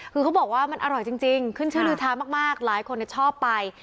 คือเขาบอกว่ามันอร่อยจริงขึ้นชื่อลือทามากหลายคนชอบไป